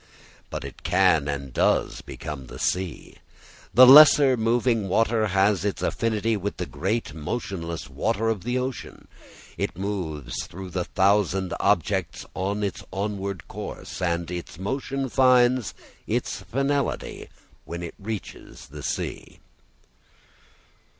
But it can and does become the sea. The lesser moving water has its affinity with the great motionless water of the ocean. It moves through the thousand objects on its onward course, and its motion finds its finality when it reaches the sea.